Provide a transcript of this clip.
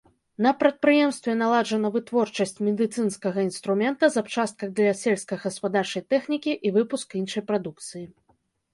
На прадпрыемстве наладжана вытворчасць медыцынскага інструмента, запчастак для сельскагаспадарчай тэхнікі і выпуск іншай прадукцыі.